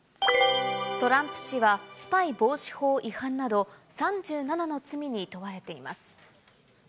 トランプ氏は、スパイ防止法違反など３７の罪に問われています。